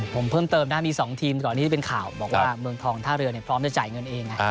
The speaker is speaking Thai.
ผมเพิ่มเติมนะมี๒ทีมก่อนที่เป็นข่าวบอกว่าเมืองทองท่าเรือพร้อมจะจ่ายเงินเอง